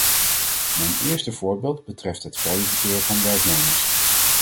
Mijn eerste voorbeeld betreft het vrije verkeer van werknemers.